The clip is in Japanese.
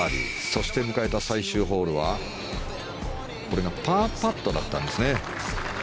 そして迎えた最終ホールはこれがパーパットだったんですね。